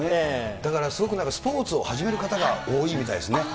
だからすごくなんか、スポーツを始める方が多いみたいですね。